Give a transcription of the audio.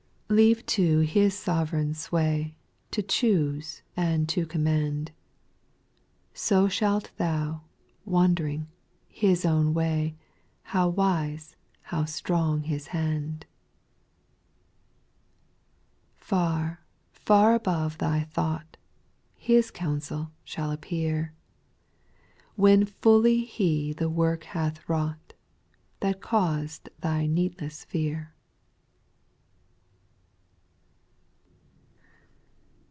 6. Leave to His sovereign sway To choose and to command ; So shalt thou, wond'ring, own His way, How wise, how strong His hand 1 6. Far, far above thy thought, His counsel shall appear. When fully He the work hath wrought That caused thy needless fear.